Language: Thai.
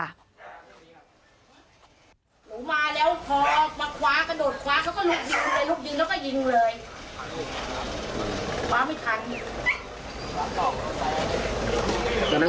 แล้วมันจะทำอะไร